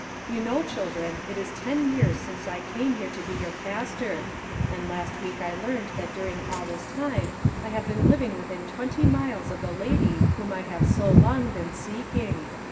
You know, children, it is ten years since I came here to be your pastor, and last week I learned that during all this time I have been living within twenty miles of the lady whom I have so long been seeking.